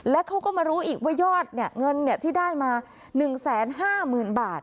และเขาก็มารู้อีกว่ายอดเงินที่ได้มา๑๕๐๐๐บาท